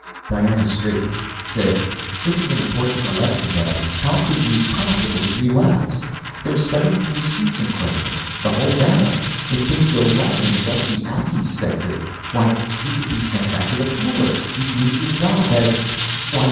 Diana straightened, said: "This is an important election Daddy! How could you possibly relax? There're seventy three seats in question ... the whole balance. If things go wrong in just the Alkes sector ... why ... you could be sent back to the floor. You'd lose your job as ... why